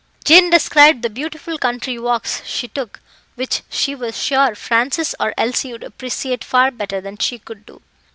Jane described the beautiful country walks she took, which she was sure Francis or Elsie would appreciate far better than she could do.